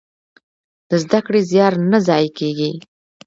د زده کړې زيار نه ضايع کېږي.